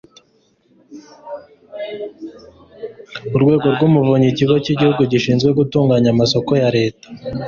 urwego rw'umuvunyi, ikigo cy'igihugu gishinzwe gutunganya amasoko ya leta